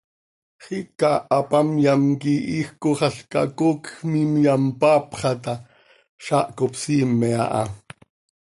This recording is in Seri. Xiica hapamyam quih iij cooxalca coocj miimyam impaapxa ta, zaah cop siime aha.